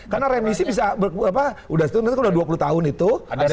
karena remisi bisa udah dua puluh tahun itu